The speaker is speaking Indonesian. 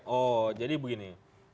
oh jadi begini